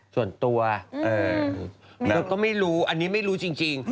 ส่วนตัวเธอก็ไม่รู้อันนี้ไม่รู้จริง